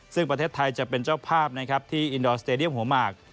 ซึ่งประเทศไทยจะเป็นเจ้าภาพนะครับที่อินดอร์สเตดียมหัวหมาก